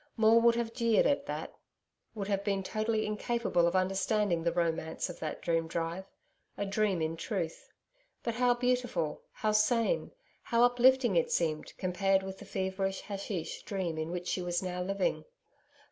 Maule would have jeered at that would have been totally incapable of understanding the romance of that dream drive a dream in truth. But how beautiful, how sane, how uplifting it seemed, compared with the feverish haschisch dream in which she was now living.